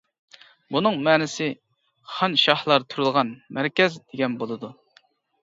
بۇنىڭ مەنىسى، خان شاھلار تۇرىدىغان مەركەز دېگەن بولىدۇ.